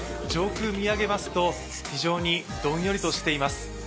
上空見上げますと、非常にどんよりとしています。